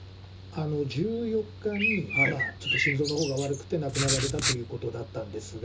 １４日に、ちょっと心臓のほうが悪くて亡くなられたということだったんですが。